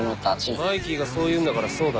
「マイキーがそう言うんだからそうだろ」